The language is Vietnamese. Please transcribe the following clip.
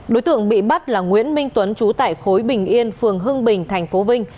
đối tượng bị bắt là nguyễn minh tuấn trú tại khối bình yên phường hưng bình tp vinh